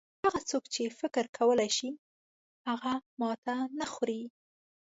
هغه څوک چې فکر کولای شي هغه ماته نه خوري.